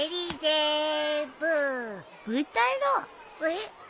えっ？